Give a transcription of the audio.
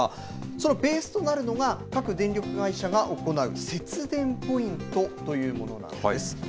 そのベースとなるのが各電力会社が行う節電ポイントというものなんです。